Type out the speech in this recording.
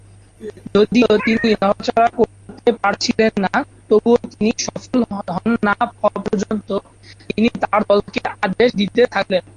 যদিও তিনি নড়াচড়া করতে পারছিলেন না, তবুও তিনি সফল হন না হওয়া পর্যন্ত তিনি তাঁর দলকে আদেশ দিতে থাকলেন।